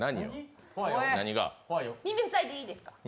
耳塞いでいいですか。